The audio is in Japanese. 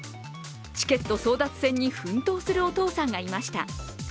チケット争奪戦に奮闘するお父さんがいました。